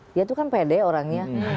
dia tuh kan pede orangnya